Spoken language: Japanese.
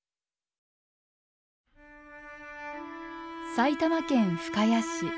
埼玉県深谷市。